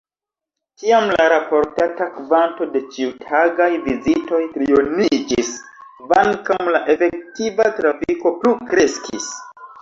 Tiam la raportata kvanto de ĉiutagaj vizitoj trioniĝis, kvankam la efektiva trafiko plu kreskis.